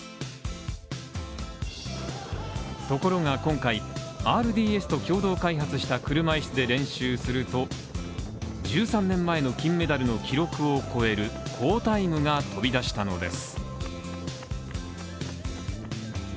ところが今回、ＲＤＳと共同開発した車いすで練習すると１３年前の金メダルの記録を超える好タイムが飛び出したのです。